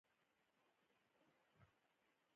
د کندهار باغونه انار دي